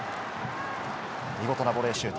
見事なボレーシュート。